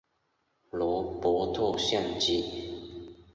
罗伯特像机。